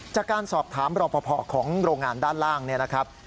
จากการสอบถามรอปภของโรงงานด้านล่างเนี่ยนะครับ